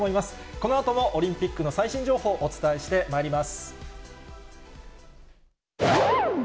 このあともオリンピックの最新情報、お伝えしてまいります。